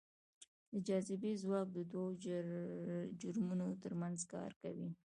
د جاذبې ځواک دوو جرمونو ترمنځ کار کوي.